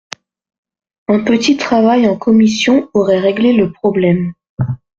Un petit travail en commission aurait réglé le problème.